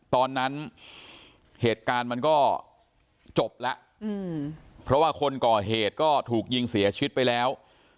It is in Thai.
ตอนนั้นเหตุการณ์มันก็จบแล้วเพราะว่าคนก่อเหตุก็ถูกยิงเสียชีวิตไปแล้ว